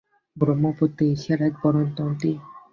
ব্রহ্মপুত্র এশিয়ার এক বড় নদী।